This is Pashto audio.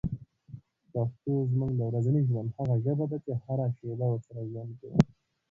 پښتو زموږ د ورځني ژوند هغه ژبه ده چي هره شېبه ورسره ژوند کوو.